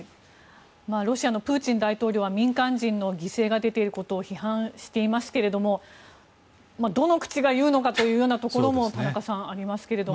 ロシアのプーチン大統領は民間人の犠牲が出ていることを批判していますけれど田中さん、どの口が言うのかというようなところもありますけども。